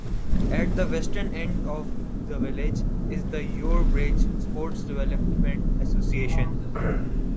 At the western end of the village is the Yorebridge Sports Development Association.